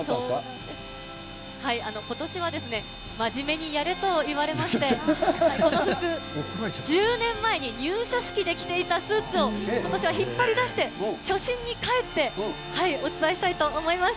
今年はですね、真面目にやれと言われまして、この服、１０年前に入社式で着ていたスーツを、今年は引っ張り出して、初心に帰ってお伝えしたいと思います。